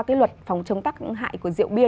cái luật phòng chống tắc hại của rượu bia